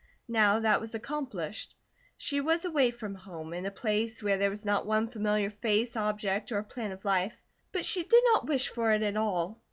Now that was accomplished. She was away from home, in a place where there was not one familiar face, object, or plan of life, but she did not wish for it at all.